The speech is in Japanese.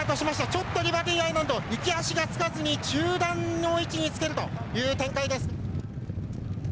ちょっとリバティアイランド行き足がつかずに中段の位置につけるという展開です。